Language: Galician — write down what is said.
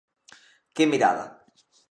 Que mirada.